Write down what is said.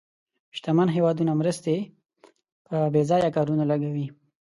شتمن هېوادونه مرستې په بې ځایه کارونو لګوي.